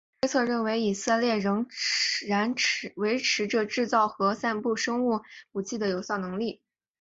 但有推测认为以色列仍然维持着制造和散布生物武器的有效能力。